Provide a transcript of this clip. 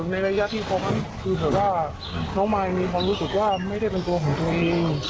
ในระยะที่ฟ้องคือแบบว่าน้องมายมีความรู้สึกว่าไม่ได้เป็นตัวของตัวเอง